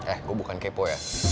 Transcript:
eh gue bukan kepo ya